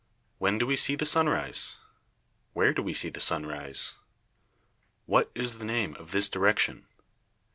When do we see the sun rise? Where do we see the sun rise? What is the name of this direction?